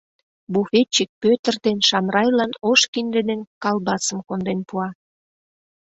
Буфетчик Пӧтыр ден Шамрайлан ош кинде ден калбасым конден пуа.